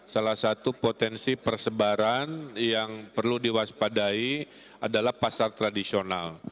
salah satu potensi persebaran yang perlu diwaspadai adalah pasar tradisional